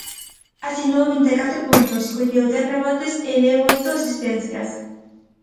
Asinou vinte e catro puntos, colleu dez rebotes e deu oito asistencias.